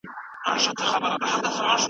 ژبه هډوکی نلري خو هډوکي ماتوي.